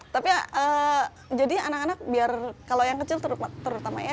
tapi jadi anak anak biar kalau yang kecil terutamanya